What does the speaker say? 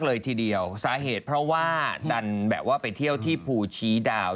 เลยทีเดียวสาเหตุเพราะว่าดันแบบว่าไปเที่ยวที่ภูชีดาว